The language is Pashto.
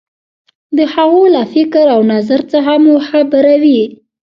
د هغو له فکر او نظر څخه مو خبروي.